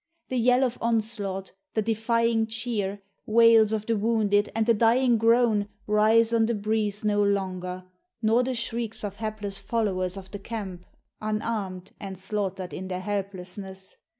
The yell of onslaught, the defying cheer, Wails of the wounded, and the dying groan Rise on the breeze no longer; nor the shrieks Of hapless followers of the camp, unarmed, And slaughtered in their helplessness.